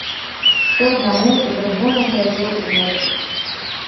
То аднаму, то другому глядзеў у вочы.